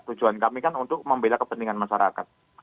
tujuan kami kan untuk membela kepentingan masyarakat